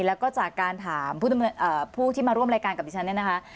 แล้วก็จากการถามผู้ที่มาร่วมรายการกับดิฉันเนี่ยนะคะ